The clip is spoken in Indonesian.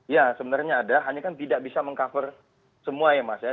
ya sebenarnya ada hanya kan tidak bisa meng cover semua ya mas ya